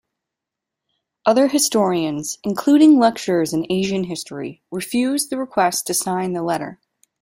Other historians, including lecturers in Asian history, refused the request to sign the letter.